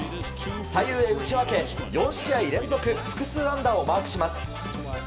左右で打ち分け４試合連続複数安打をマークします。